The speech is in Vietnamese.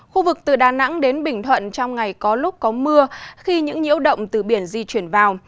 khu vực từ đà nẵng đến bình thuận trong ngày có lúc có mưa khi những nhiễu động từ biển di chuyển vào